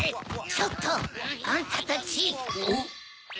・ちょっとあんたたち・